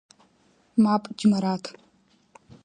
Мап, Џьармаҭ!